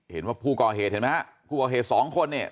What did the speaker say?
เห็นว่าผู้ก่อเหตุเห็นไหมฮะผู้ก่อเหตุสองคนเนี่ย